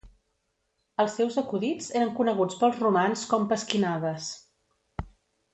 Els seus acudits eren coneguts pels romans com pasquinades.